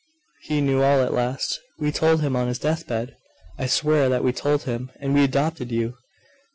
He knew all at last. We told him on his death bed! I swear that we told him, and he adopted you!